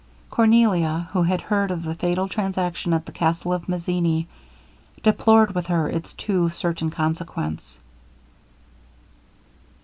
Cornelia, who had heard of the fatal transaction at the castle of Mazzini, deplored with her its too certain consequence.